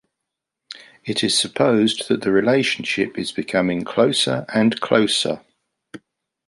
It is supposed that the relationship is becoming closer and closer.